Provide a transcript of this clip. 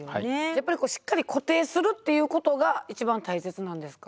やっぱりしっかり固定するっていうことが一番大切なんですか？